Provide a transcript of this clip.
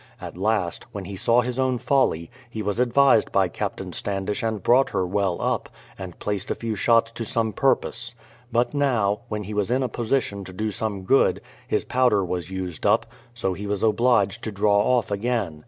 At last, when he saw his own folly, he was advised by Captain Standish and brought her well up, and placed a few shots to some purpose. But now, when he was in a position to do some good, his powder was used up, so he was obliged to draw off again.